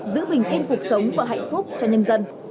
giữ bình yên cuộc sống và hạnh phúc cho nhân dân